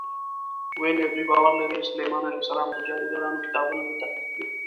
ویل یې دوی باور لري سلیمان علیه السلام د جادوګرانو کتابونه دلته ښخ کړي.